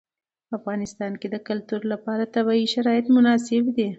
په افغانستان کې د کلتور لپاره طبیعي شرایط مناسب دي.